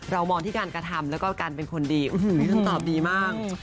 มองที่การกระทำแล้วก็การเป็นคนดีมีคำตอบดีมาก